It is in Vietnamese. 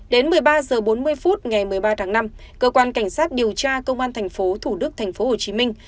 đến một mươi ba h bốn mươi phút ngày một mươi ba tháng năm cơ quan cảnh sát điều tra công an thành phố thủ đức thành phố hồ chí minh